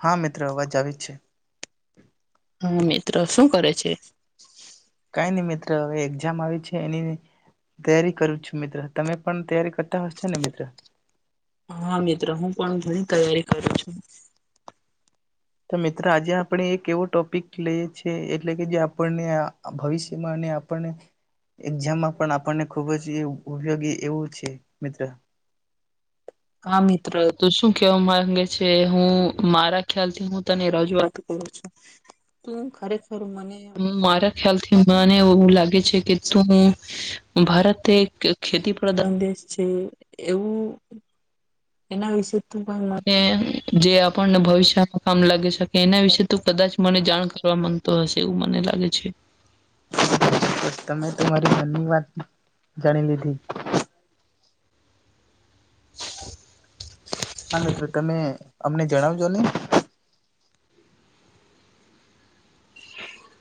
હા મિત્રો અવાજ આવે છે. હા મિત્ર શું કરે છે? કઈ નહી મિત્ર હવે એક્ઝામ આવી છે એની તૈયારી કરું છું મિત્ર તમે પણ તૈયારી કરતા હશો ને મિત્ર. હા મિત્ર હું પણ ઘણી તૈયારી કરું છું. તો મિત્ર આજે આપણે એક એવો ટોપિક લઈએ છીએ એટલે કે જે આપણને આ ભવિષ્યમાં અને આપણને એક્ઝામમાં પણ આપણને ખૂબ જ ઉપયોગી એવો છે મિત્ર. હા મિત્ર તું શું કેવા માગે છે હું મારા ખ્યાલથી હું તને રજૂઆત કરું છું. ખરેખર મને મારા ખ્યાલથી મને એવું લાગે છે કે તો હું ભારત એક ખેતી પ્રધાન દેશ છે એવું એના વિશે ત પણ મને જે આપણને ભવિષ્યમાં કામ લાગી શકે એના વિશે તું કદાચ મને જાણ કરવા માંગતો હશે એવું મને લાગે છે. તે મનની વાત જાણી લીધી. હા મિત્ર તમેં અમને જણાવજો ને.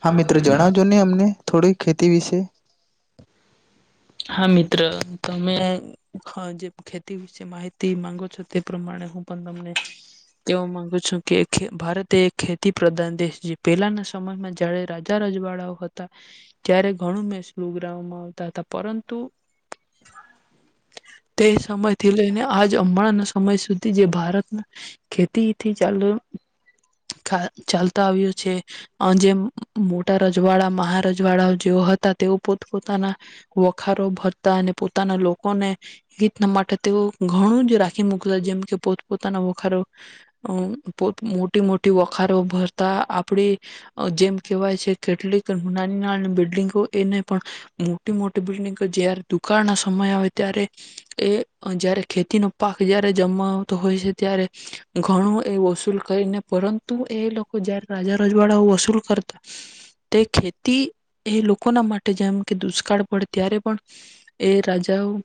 હા મિત્ર જણાવજો ને અમને. થોડી ખેતી વિશે. હા મિત્ર તમે જે ખેતી વિશે માહિતી માંગો છો તે પ્રમાણે હું પણ તમને કેવા માંગુ છું કે ખે ભારતે ખેતી પ્રધાન દેશ જે પેલાના સમયમાં જયારે રાજા રાજવાડાઓ હતા ત્યારે ઘણું મેષ લૂગ્રાવ માં હોતા હતા. પરંતુ તે સમય થી લઈને આજ અબાણાના સમય સુધી જે ભારતમાં ખેતીથી ચાલુ થા ચાલતો આવ્યો છે અહ જેમ મોટા રજવાડા મહારજવાડા જેઓ હતા તેઓ પોત પોતાના વખારો ભરતા અને પોતાના લોકોને હિતના માટે તેઓ ઘણું જ રાખી મૂકલા જેમ કે પોત પોતાના વખારો અહ પોત મોટી મોટી વખારો ભરતા આપડી જેમ કેહેવાય છે કેટલીક નાની નાની બિલ્ડંગો એને પણ મોટી મો ટ બિલ જયાર દુકાળ ના સમય આવે ત્યારે એ અહ જયારે ખેતીનો પાક જ્યાર ને જમવા આવતો હોય છે ત્યારે ઘણો એ વસૂલ કરીને પરંતુ એ લોકો જયારે રાજા રજવાડા વસૂલ કરતા, તે ખેતી એ લોકોના માટે જેમ કે, દુષ્કાળ પડ જ્યારે પણ એ રાજાઓ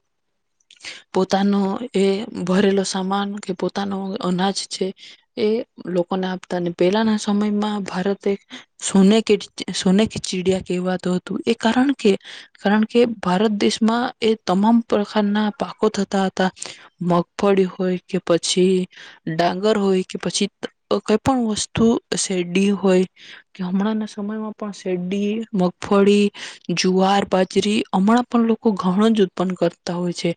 પોતાનો એ ભરેલો સામાન કે પોતાનો અનાજ છે એ લોકોને આપતાને. પહેલા ના સ સમયમાં ભારતે સોને કે સોને કી ચિડિયા કહેવાતો તું. એ કારણ કે કારણ કે ભારત દેશમાં એ તમામ પ્રકારના પાકો થતા હતા. મગફળી હોય, કે પછી ડાંગર હોય, કે પછી [unintelligible] પણ વસ્તુ શેરડી હોય કે હમણાં ના સમયમાં પણ શેરડી, મગફળી જુવાર પ હમણાં પણ લોકો ઘણું જ ઉત્પન્ન કરતા હોય છે.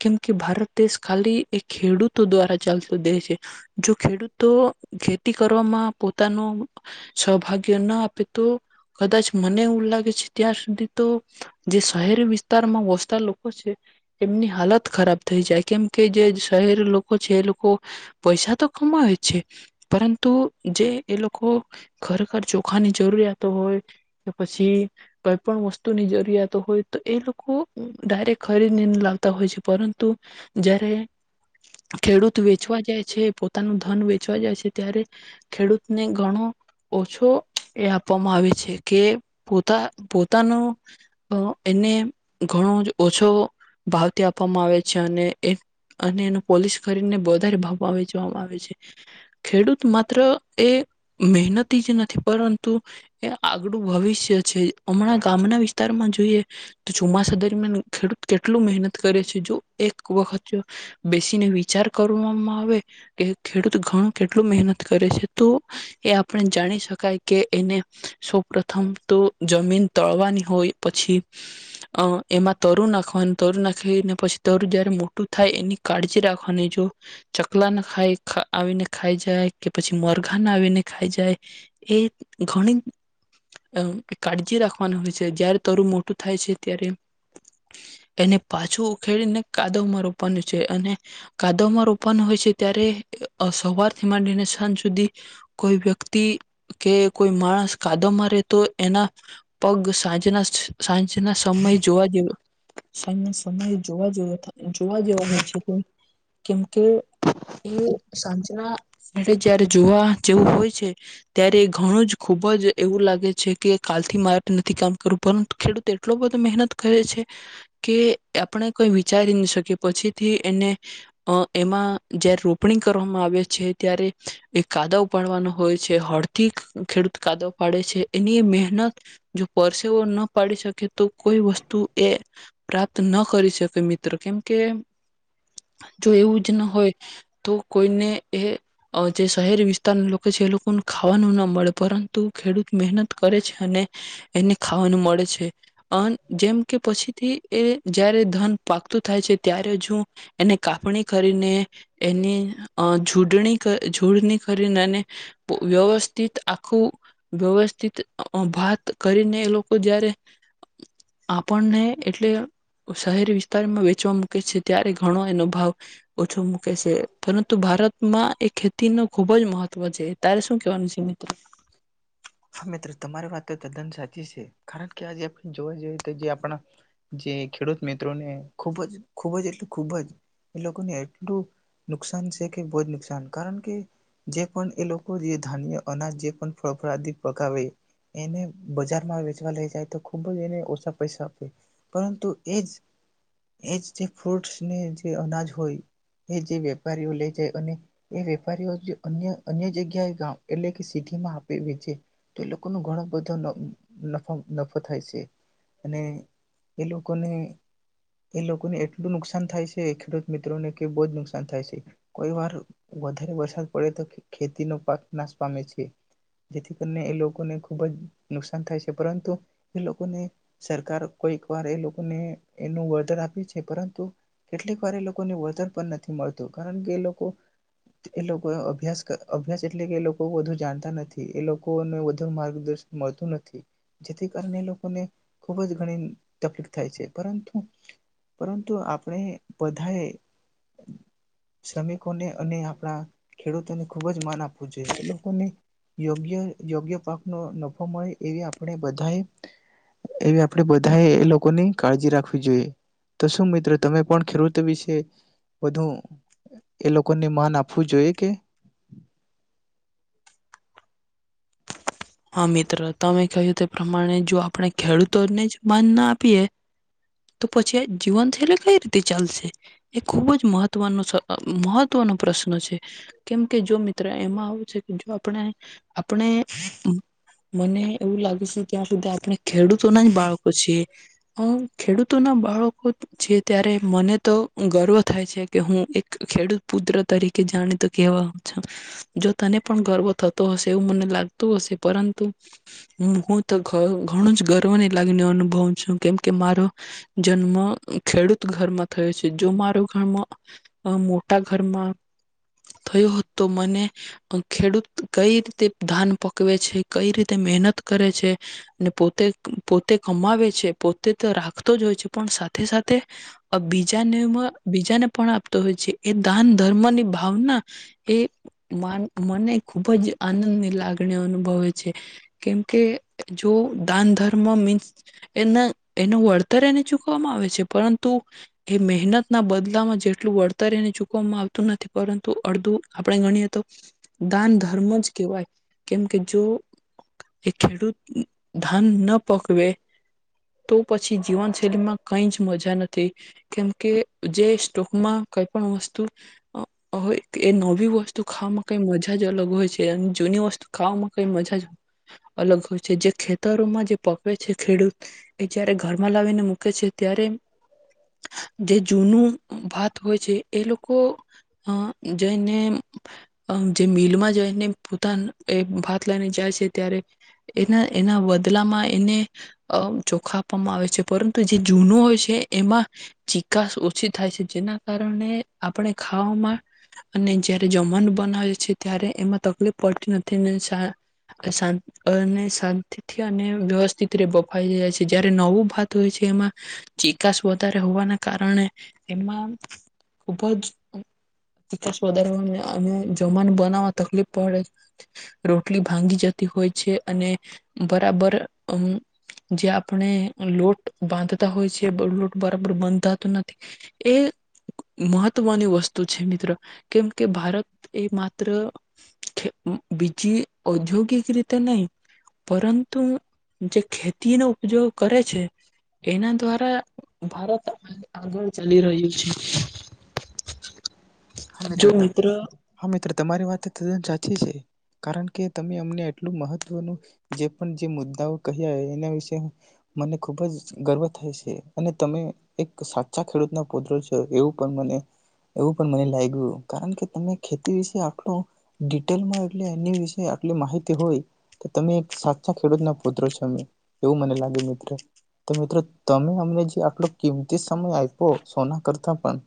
કેમ કે ભારત દેશ ખાલી એ ખેડૂતો દ્વારા ચાલતો દેશ હે. જો ખેડૂતો ખેતી કરવામાં પોતાનો અહ સહભાગ્ય ન આપે તો કદાચ મને એવું લાગે છે ત્યાં સુધી તો જે શહેરી વિસ્તારમાં વસતા લોકો છે, એમની હાલત ખરાબ થઈ જાય, કેમ કે જે શહેરી લોકો છે એ લોકો પૈસા તો કમાવે છે, પરંતુ જે એ લોકો ખરેખર ચોખાની જરૂરિયાતો હોય કે પછી કઈ પણ વસ્તુની જરૂરિયાત હોય તો એ લોકો ડાયરેક્ટ ખરીદને લાવતા હોય છે પરંતુ જ્યારે ખેડૂત વેચવા જાય છે પોતાનું ધન વેચવા જાય છે ત્યારે ખેડૂતને ઘણો ઓછો એ આપવામાં આવે છે કે પોતા પોતાનું એને ઘણો જ ઓછો ભાવતી આપવામાં આવે છે અને અને એનો પોલિસ કરીને વધારે ભાવમાં વેચવામાં આવે છે. ખેડૂત માત્ર એ મહેનતી જ નથી પરંતુ એ આગડું ભવિષ્ય છે હમણાં ગામના વિસ્તારમાં જ. જોઈએ તો ચોમાસા દરમિયાન ખેડૂત કેટલું મહેનત કરે છે જો એક વખત બેસી ને વિચાર કરવામાં આવે કે ખેડૂત ઘણું કેટલું મહેનત કરે છે તો એ આપણે જાણી શકાય કે એને સૌપથમ તો જમીન તળવાની હોય. પછી અ એમાં તરું નાખવાનું તરું નાખીને પછી તરું જયારે મોટું થાય એની કા ખનીજો ચકલા ના ખાય આવીને ખાઈ જાય કે પછી મરઘા ના આવીને ખાઈ જાય એ ઘણી અ કાળજી રાખવા ની હોય છે. જયારે તરું મોટું થાય છે ત્યારે એને પાછું ઉખેડીને કાદવમાં રોવાનું છે અને કાદવમાં રોપવાનું હોય છે ત્યારે અ સવારથી માંડીને સાંજ દી કોઈ વ્યક્તિ કે કોઈ માણસ કાદવમાં રહેતો એના પગ સાંજના સાંજ ના સમય જોવા જેવા સાંજ ના સમય જોવાવા જોવા જેવાનું છે કેમકે એ સાંજના એટલે જયારે જોવા છે ત્યારે ઘણું જ ખુબ જ એવું લાગે છે કે કાલથી મારે નથી કામ કરું પર ખેડૂત એટલો બધો મહેનત કરે છે કે આપણે કોઈ વિચારી ન શકીએ પછીથી એને એમાં જારે રોપણી કરવામાં આવે છે ત્યારે એ કાદવ પણ હોય છે હળથી ખેડૂત કાદો પાડે છે એની મહેનત જો પરસેવ ન પાડી શકે તો કોઈ વસ્તુ એ પ્રાપ્ત ન કરી શકે મિત્ર કેમકે જો એવું જ ન હોય તો કોઈને એ જે શહેર વિસ્તાર પછી એ લોકો ખાવાનું ના મળે પરંતુ ખેડૂત મહેનત કરે છે અને એને ખાવાનું મળે છે છે જેમ કે પછીથી એ જયારે ધાન પાકતું થાય છે ત્યારેજું એને કાપણી કરીને એની જોડણી જોડણી કરીને વ્યવસ્થિત આખું વ્યવસ્થિત ભાત કરીને એ લોકો જયારે આપણને એટલે શહેરી વિસ્તારમાં વેચવા મૂકે છે ત્યારે ઘણો એનો ભાવ ઓછો મૂકે છે પરંતુ ભારતમાં એ ખેતીનો ખુબ જ મહત્વ તુ આજે છે તારે શું કહેવાનું છે મિત્રો તદ્દન સાચી છે કારણ કે આજે આપણે જોવા જઈએ તો જે આપણા જે ખેડૂત મિત્રોને ખૂબ જ ખૂબ જ એટલું ખૂબ જ એ લોકોને એટલું નુકસાન છે કે બહુ જ નુકસાન કારણ કે જે પણ એ લોકો જે ધાન્ય અનાજ જે પણ ફળફળાદિ પકાવે એને બજારમાં વેચવા લઈ જાય તો ખૂબ જ એને ઓછા પૈસા આપે પરંતુ એજ એજ જે ફ્રૂટસને જે અનાજ હોય એ જે વેપારીઓ લઈ જાય અને એ વેપારીઓ અન્ય અન્ય જગ્યાએ ગામ એટલે કે સિટીમાં આપેવી છે તો એ લોકોનો ઘણો બધો નફ નફો થાય છે અને એ લોકોને એ લોકોને એટલું નુકસાન થાય છે ખેડૂત મિત્રોને કે બહુ જ નુકસાન થાય છે કોઈ વાર વધારે વરસાદ પે તો ખેતીનો પાક નાશ પામે છે જેથી કરીને એ લોકોને ખુબ જ નુકસાન થાય છે પરંતુ એ લોકોને સરકાર કોઈક વાર એ લોકોને એનું વળતર આપ્યું છે પરંતુ કેટલીક વાર એ લોકોને વળતર પણ નથી મળતું કારણ કે એ લોકો એ કો અભ્યાસ અભ્યાસ એટલે કે એ લોકો વધુ જાણતા નથી એ લોકોને વધુ માર્ગદર્શન મળતું નથી જેથી કારણે એ લોકોને ખુબ જ ગણી તકલીફ થાય છે પરંતુ પરંતુ આપણે બધાએ શ્રમિકોને અને આપણા ખેડૂતોને ખુબ જ માન આપવું જોઈએ એ લોકોને યોગ્ય યોગ્ય પાકનો નફો મળે એવી આપણે બધાએ એવી આપણે બધાએ એ લોકોની કાળજી રાખવી જોઈએ તો શું મિત્રો તમે પણ ખેડૂતો વિશે બુ એ લોકોને માન આપવું જોઈએ ઓકે હા મિત્ર તમે કહ્યું તે પ્રમાણે જો આપણે ખેડૂતોને જ માન ના આપીએ તો પછી જીવન છેૈલે કઈ રીતે ચાલશે એ ખુબ જ મહત્વનો મહત્વનો પ્રશ્ન છે કેમ કે જો મિત્ર એમાં આવ જો આપણે આપણે મને એવું લાગુ છે કે આ બધા ખેડૂતોના જ બાળકો છે હુ ખેડૂતોના બાળકો છે ત્યારે મને તો ગર્વ થાય છે કે હું એક ખેડૂત પુત્ર તરીકે જાણી કેવા જો તને પણ ગર્વ થતો હશે એવું મને લાગતું હશે પરંતુ હુ તો ઘ ઘણું જ ગર્વને લાગીને અનુભવું છું કેમ કે મારો જન્મ ખેડૂત ઘરમાં થયો છે જો મારો ઘરમાં મોટા ઘરમાં થયોત તો મને ખેડૂત કઈ રીતે ધાન પકવે છે એ કઈ રીતે મહેનત કરે છે. ને પોતે પોતે કમાવે છે પોતે તો રાખતો જ હોય છે પણ સાથે સાથે અહ બીજાને બીજાને પણ આપતો હોય છે એ દાન ધર્મની ભાવના એ માન મને ખૂબ જ આનંદની લાગણી અનુ છે કેમ કે જો દાન ધર્મ મીન્સ એના એનું વળતર એને ચૂકવવામાં આવે છે પરંતુ એ મહેનતના બદલામાં જેટલું વળતર એને ચૂકવવામાં આવતું નથી પરંતુ અડધું આપણે ગણીએ તો દાન ધર્મ જ કહેવાય કેમ જો એક ખેડૂત ધાન ન પકવે તો પછી જીવનશૈલીમાં કઈ જ મજા નથી કેમકે જે સ્ટોકમાં કઈ પણ વસ્તુ અહ હોએ એ નવી વસ્તુ ખાવામાં કઈ મજા જ અલગ હોય છે અને જૂની વસ્તુ ખાવામાં કઈ મજા જ અલગ હોય છે. જે ખેતરોમાં જે પકવે છે ખેડૂત એ જયારે ઘરમાં લાવીને મૂકે છે ત્યારે જે જૂનું ભાત હોય છે એ લોકો અહ જઈને અહ જે મિલમાં જઈને પોતા એ ભાત લઈને જાય છે ત્યારે એના એના બદલામાં એને અહ ચોખા આપવામાં આવે છે પરંતુ જે જૂનો હોય છે એમાં ચિકાસ ઓછી થાય છે જેના કારણે આપણે ખા ખાવામાં અને જયારે જમવાનું બનાવે છે ત્યારે એમાં તકલીફ પડતી થી ને શાંત અને શાંતિથી અને વ્યવસ્થિત રે બફાઈ જાય છે જયારે નવું ભાત હોય છે એમાં ચિકાસ વધારે હોવાના કારણે એમાં ખૂબ જ હમ્મ ચિકાસ વધારે હોવાને અને જમાનું બનાવવા તકલીફ પડે રોટલી ભાંગી જતી હોય છે અને બરાબર અ જે આપણે લોટ બાંધતા હોય છે લોટ બરાબર બાંધાતો નથી એ મહત્વની વસ્તુ વસ્તુ છે મિત્ર. કેમ કે ભારત એ માત્ર બીજી ઔદ્યોગિક રીતે નહી પરંતુ જે ખેતીનો ઉપયોગ કરે છે એના દ્વારા ભારત આગળ ચાલી રહ્યું છે. જો મિત્ર તમારી વાત તદન સાચી છે કારણ કે તમે અમને એટલુ મહત્વનું જે પણ જે મુદ્દાઓ કહ્યા એના વિશે મને ખુબ જ ગર્વ થાય છે અને તમે એક સાચા ખેડૂતના પુત્ર છો એવું પણ મને એવું પણ મને લાગ્યું કારણ કે તમે ખેતી વિશે આટલુ ડિટેલમાં એટલે એની વિશે આટલી માહિતી હોય તો તમે એક સાચા ખેડૂતના પુત્રો છો એવું મને લાગ્યું મિત્ર તો મિત્રો તમે અમને જે આટલો કિંમતી સમય આપ્યો સોના કરતા પણ